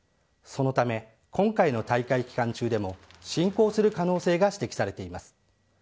そのため、今回の大会期間中でも侵攻する可能性が指摘されています。